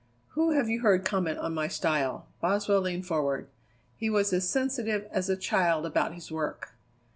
"Who have you heard comment on my style?" Boswell leaned forward. He was as sensitive as a child about his work.